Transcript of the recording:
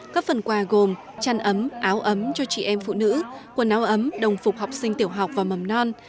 các phần quà gồm chăn ấm áo ấm cho chị em phụ nữ quần áo ấm đồng phục học sinh tiểu học và mầm non